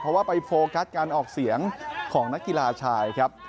เพราะว่าไปโฟกัสการออกเสียงของนักกีฬาชายครับ